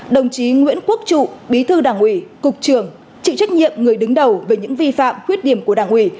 đồng chí nguyễn quốc trụ bí thư đảng ủy cục trưởng chịu trách nhiệm người đứng đầu về những vi phạm khuyết điểm của đảng ủy